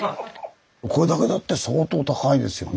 これだけだって相当高いですよね。